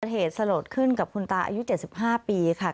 เหตุสลดขึ้นกับคุณตาอายุ๗๕ปีค่ะ